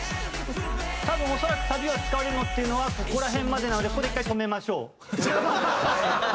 多分恐らくサビは使われるのっていうのはここら辺までなのでここで１回止めましょう。